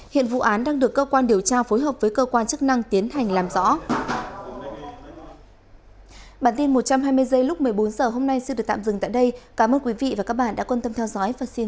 hiện vụ án đang được cơ quan điều tra phối hợp với cơ quan chức năng tiến hành làm rõ